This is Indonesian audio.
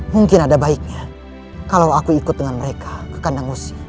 mungkin ada baiknya kalau aku ikut dengan mereka ke kandang musik